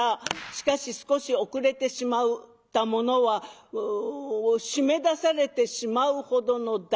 しかし少し遅れてしまった者は閉め出されてしまうほどの大混乱。